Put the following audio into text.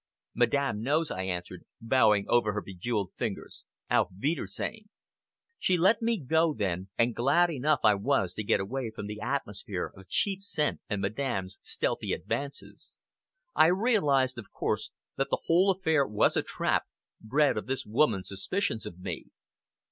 "Madame knows," I answered, bowing over her bejewelled fingers. "Auf wiedersehen!" She let me go then, and glad enough I was to get away from the atmosphere of cheap scent and Madame's stealthy advances. I realized, of course, that the whole affair was a trap, bred of this woman's suspicions of me.